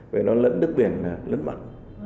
bởi nó lẫn đất biển lẫn mặt